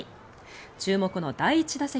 注目の第１打席。